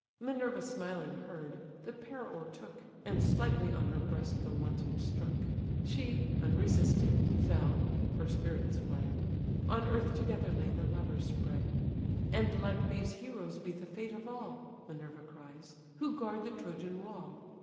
Minerva smiling heard, the pair o'ertook, And slightly on her breast the wanton strook: She, unresisting, fell (her spirits fled); On earth together lay the lovers spread. "And like these heroes be the fate of all (Minerva cries) who guard the Trojan wall!